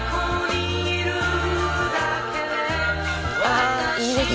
ああいいですね。